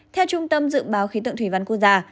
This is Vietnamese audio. theo trung tâm dự báo khí tượng thủy văn quốc gia